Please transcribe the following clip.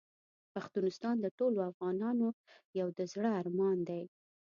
پښتونستان د ټولو افغانانو یو د زړه ارمان دی .